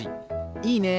いいね！